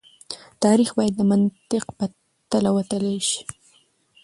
تاريخ بايد د منطق په تله وتلل شي.